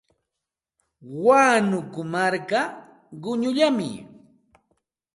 Wakunku marka quñullami.